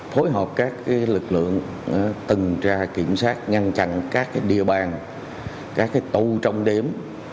phối hợp các lực lượng tân tra kiểm soát ngăn chặn các địa bàn các tù trong đếm